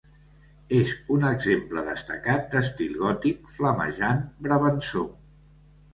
És un exemple destacat d'estil gòtic flamejant brabançó.